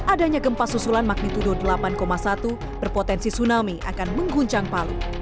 adanya gempa susulan magnitudo delapan satu berpotensi tsunami akan mengguncang palu